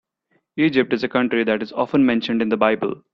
Egypt is a country that is often mentioned in the Bible.